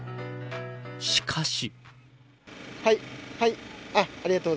しかし。